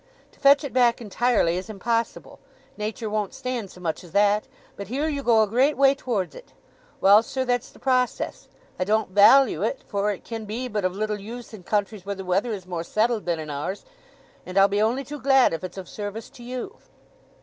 "To fetch it back entirely is impossible; Nature won't stand so much as that, but heere you go a great way towards it. Well, sir, that's the process, I don't value it, for it can be but of little use in countries where the weather is more settled than in ours; and I'll be only too glad if it's of service to you."